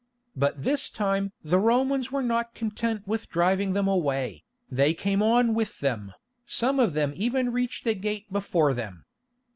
But this time the Romans were not content with driving them away, they came on with them; some of them even reached the gate before them.